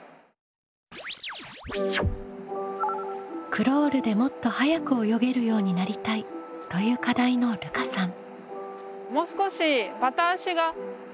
「クロールでもっと速く泳げるようになりたい」という課題のるかさん。